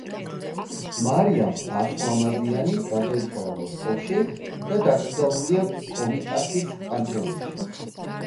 მარიამ ასლამაზიანი გარდაიცვალა მოსკოვში და დაკრძალულია კომიტასის პანთეონში.